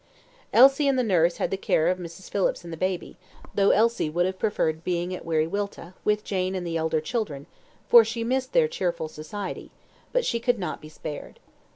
Elsie and the nurse had the care of Mrs. Phillips and the baby, though Elsie would have preferred being at Wiriwilta, with Jane and the elder children, for she missed their cheerful society, but she could not be spared.